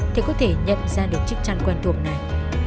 thì có thể nhận ra được chiếc chăn quen thuộc này